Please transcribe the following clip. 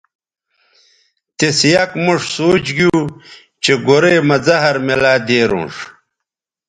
تِس یک موݜ سوچ گیو چہء گورئ مہ زہر میلہ دیرونݜ